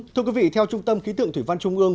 thưa quý vị theo trung tâm khí tượng thủy văn trung ương